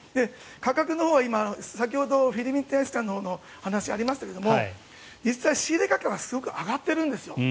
価格のほうは先ほどフィリピン大使館の話がありましたが実際、仕入れ価格はすごく上がってるんです。